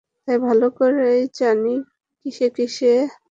এবং ভালো করেই জানি কিসে কিসে অ্যালমন্ডের ঘ্রাণ পাওয়া যায়!